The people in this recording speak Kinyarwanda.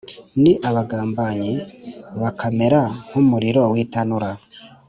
Ni abagambanyi, bakamera nk’umuriro w’itanura,